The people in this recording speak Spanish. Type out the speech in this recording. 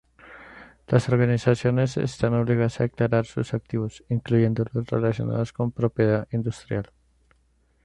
Las organizaciones están obligadas a declarar sus activos, incluyendo los relacionados con propiedad industrial.